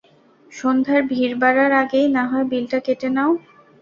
সন্ধ্যার ভিড় বাড়ার আগেই নাহয় বিলটা কেটে নাও?